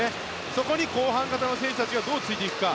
そこに後半型の選手がどうついていくか。